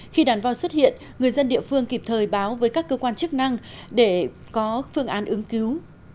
khi đàn voi xuất hiện người dân địa phương kịp thời báo với các cơ quan chức năng để có phương án ứng cứu